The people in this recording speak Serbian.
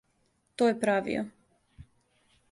То је правио.